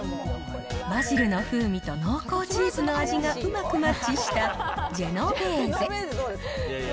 バジルの風味と濃厚チーズの味がうまくマッチしたジェノベーゼ。